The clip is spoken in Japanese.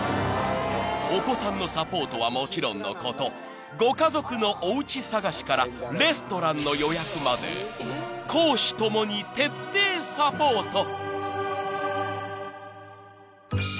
［お子さんのサポートはもちろんのことご家族のおうち探しからレストランの予約まで公私共に徹底サポート］